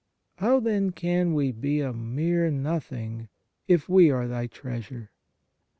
How, then, can we be a mere nothing if we are Thy treasure